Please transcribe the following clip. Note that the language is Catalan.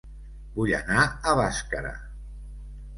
Vull anar a Bàscara